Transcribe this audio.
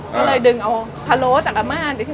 ก็เลยดึงเอาพะโล้จากอาม่า